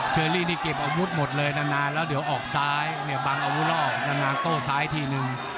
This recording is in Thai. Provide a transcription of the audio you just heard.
เชอรี่นี่เก็บอาวุธหมดเลยนานแล้วเดี๋ยวออกซ้ายเนี่ยบังอาวุธรอบนานโต้ซ้ายทีนึง